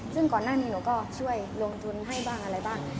ซึ่งก่อนหน้านี้หนูก็ช่วยลงทุนให้บ้างอะไรบ้าง